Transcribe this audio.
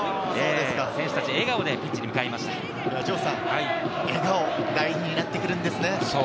選手たち、笑顔が大事になってくるんですね。